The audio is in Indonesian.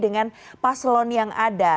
dan juga paselon yang ada